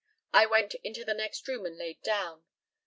I went into the next room and laid down.